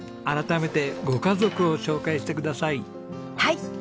改めてご家族を紹介してください。